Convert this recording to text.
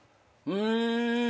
うん。